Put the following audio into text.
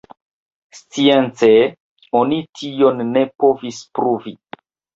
Science oni tion ne povis pruvi.